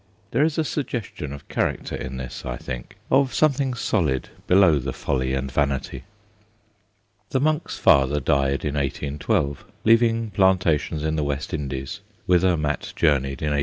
There is a sugges tion of character in this, I think of some thing solid below the folly and vanity. POOR MAT 83 The Monk's father died in 1812, leaving plantations in the West Indies, whither Mat journeyed in 1815.